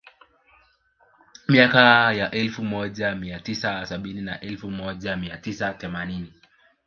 Miaka ya elfu moja mia tisa sabini na elfu moja mia tisa themanini